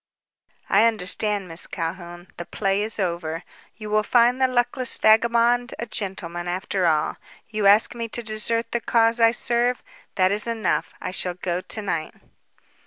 "I understand, Miss Calhoun. The play is over. You will find the luckless vagabond a gentleman, after all. You ask me to desert the cause I serve. That is enough. I shall go to night."